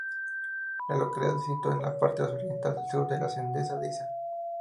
La localidad se sitúa en la parte oriental sur de la Cendea de Iza.